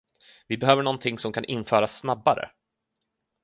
Vi behöver någonting som kan införas snabbare.